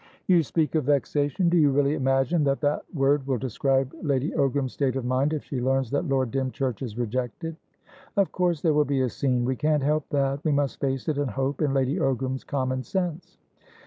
"You speak of 'vexation.' Do you really imagine that that word will describe Lady Ogram's state of mind if she learns that Lord Dymchurch is rejected?" "Of course there will be a scene. We can't help that. We must face it, and hope in Lady Ogram's commonsense."